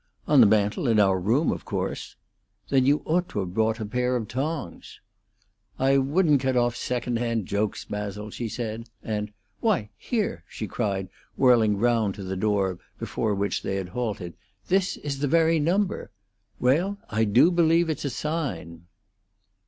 "On the mantel in our room, of course." "Then you ought to have brought a pair of tongs." "I wouldn't get off second hand jokes, Basil," she said; and "Why, here!" she cried, whirling round to the door before which they had halted, "this is the very number. Well, I do believe it's a sign!"